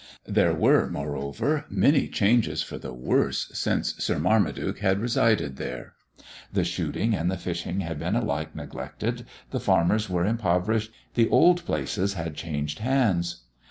There were, moreover, many changes for the worse since Sir Marmaduke had resided there: the shooting and the fishing had been alike neglected; the farmers were impoverished; the old places had changed hands.